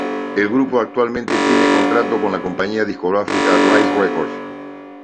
El grupo actualmente tiene contrato con la compañía discográfica Rise Records.